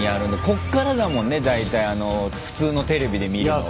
こっからだもんね大体普通のテレビで見るのは。